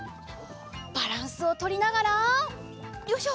バランスをとりながらよいしょ。